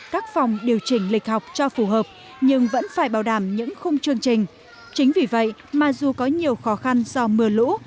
chính vì vậy mà dù có nhiều khó khăn do mưa lũ